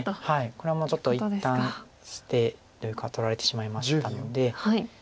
これちょっと一旦捨てるか取られてしまいましたので。